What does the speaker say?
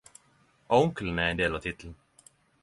Og onkelen er ein del av tittelen..